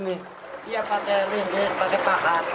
iya pakai linin pakai pahat